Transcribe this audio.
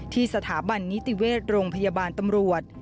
สถาบันนิติเวชโรงพยาบาลตำรวจ